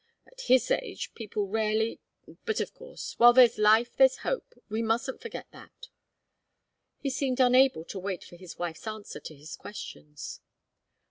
At his age, people rarely but, of course, while there's life, there's hope. We mustn't forget that." He seemed unable to wait for his wife's answer to his questions.